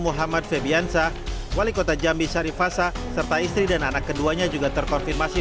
muhammad fabian saputra wali kota jambi syarif fasa serta istri dan anak keduanya juga terkonfirmasi